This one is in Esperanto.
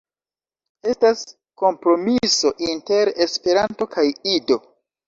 Estas kompromiso inter Esperanto kaj Ido.